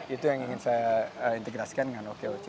itu yang ingin saya integrasikan dengan okoc